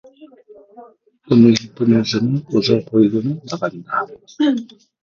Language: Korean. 의미 깊은 웃음을 웃어 보이고는 나간다.